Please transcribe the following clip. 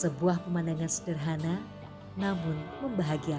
sebuah pemandangan sederhana namun membahagiakan